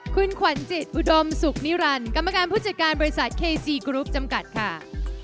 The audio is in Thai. คุณขวัญจิตอุดมสุขนิรันดิ์กรรมการผู้จัดการบริษัทเคซีกรุ๊ปจำกัดค่ะ